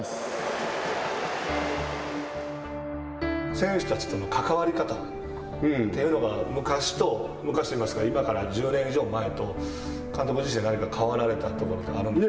選手たちとの関わり方というのが昔といいますか、今から１０年以上前と監督自身で何か変わられたところがあるんですか。